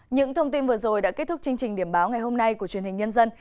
những thông tin vừa rồi đã kết thúc chương trình điểm báo ngày hôm nay của truyền hình nhân dân